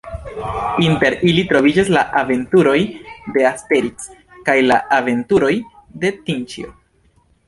Inter ili troviĝas la Aventuroj de Asteriks, kaj la Aventuroj de Tinĉjo.